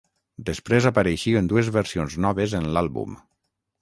Després apareixen dues versions noves en l'àlbum.